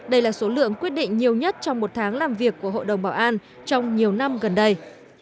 đây là số lượng quyết định nhiều nhất trong một tháng làm việc của hội đồng bảo an trong nhiều năm gần đây